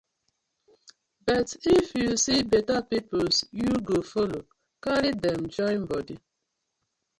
But if yu see beta pipus yu go follo karry dem join bodi.